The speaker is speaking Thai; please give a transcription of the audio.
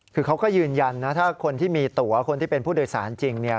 คือเขาก็ยืนยันนะถ้าคนที่มีตัวคนที่เป็นผู้โดยสารจริงเนี่ย